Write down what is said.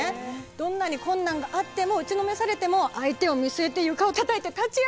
どんなに困難があっても打ちのめされても相手を見据えて床をたたいて立ち上がる。